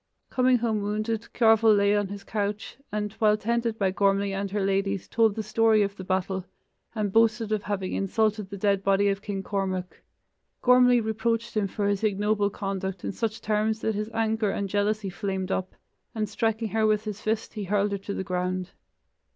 Coming home wounded, Cearbhail lay on his couch, and while tended by Gormlai and her ladies told the story of the battle and boasted of having insulted the dead body of King Cormac. Gormlai reproached him for his ignoble conduct in such terms that his anger and jealousy flamed up, and striking her with his fist he hurled her to the ground.